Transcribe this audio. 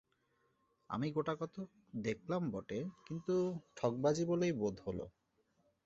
আমি গোটাকতক দেখলাম বটে, কিন্তু ঠকবাজি বলেই বোধ হল।